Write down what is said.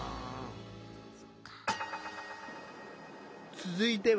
続いては。